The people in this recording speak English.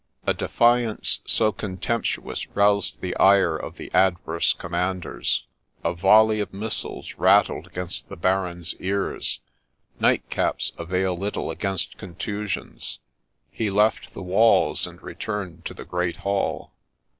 A defiance so contemptuous roused the ire of the adverse com manders. A volley of missiles rattled about the Baron's ears. Nightcaps avail little against contusions. He left the walls and returned to the great hall.